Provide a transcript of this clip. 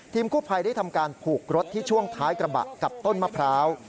กู้ภัยได้ทำการผูกรถที่ช่วงท้ายกระบะกับต้นมะพร้าว